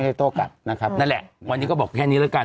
ให้โต้กลับนะครับนั่นแหละวันนี้ก็บอกแค่นี้แล้วกัน